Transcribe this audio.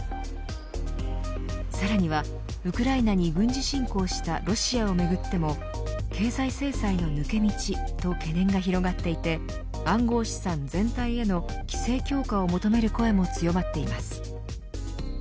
さらにはウクライナに軍事侵攻したロシアをめぐっても経済制裁の抜け道と懸念が広がっていて暗号資産全体への規制強化を求める声も強まってます。